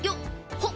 ほっ！